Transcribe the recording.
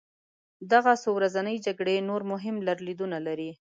دغه څو ورځنۍ جګړې نور مهم لرلېدونه لرل.